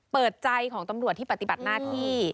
เปิดใจของตำรวจที่ปฏิบัติหน้าที่